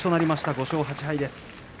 ５勝８敗です。